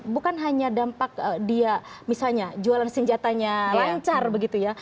bukan hanya dampak dia misalnya jualan senjatanya lancar begitu ya